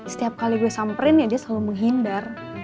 setiap kali gue samperin ya dia selalu menghindar